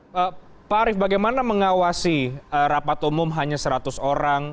baik pak arief bagaimana mengawasi rapat umum hanya seratus orang